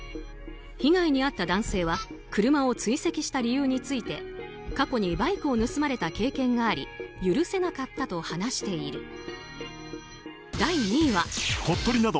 被害に遭った男性は車を追跡した理由について過去にバイクを盗まれた経験があり許せなかったと話している。